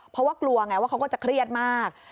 เพราะว่ากลัวไงว่าเขาก็จะเครียดมาก